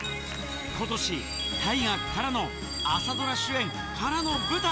ことし、大河からの朝ドラ主演からの舞台。